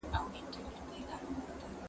زه به اوږده موده لاس مينځلي وم